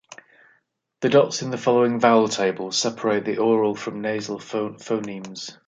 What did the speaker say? The dots in the following vowel table separate the oral from nasal phonemes.